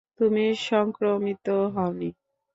তুমি সংক্রমিত হওনি।